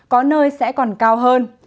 có nơi sẽ còn cao hơn